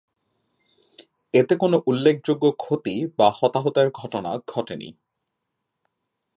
এতে কোনো উল্লেখযোগ্য ক্ষতি বা হতাহতের ঘটনা ঘটে নি।